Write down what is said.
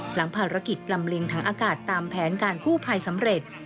หลังภารกิจลำเลียงถังอากาศตามแผนการกู้ภัยสำเร็จ